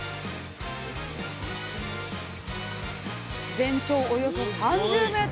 全長およそ３０ｍ。